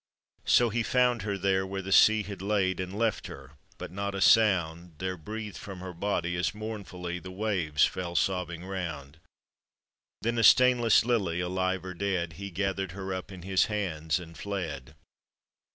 So he found her there where the sea had laid And left her, but not a sound There breathed from her body, as mournfully The waves fell sobbing round; Then a stainless lily, alive or dead, He gathered her up in his hands, and fled.